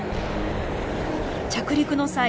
着陸の際